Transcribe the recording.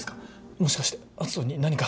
もしかして篤斗に何か。